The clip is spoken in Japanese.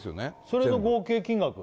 それの合計金額